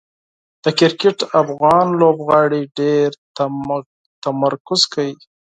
د کرکټ افغان لوبغاړي ډېر تمرکز کوي.